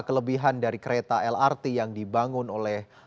kelebihan dari kereta lrt yang dibangun oleh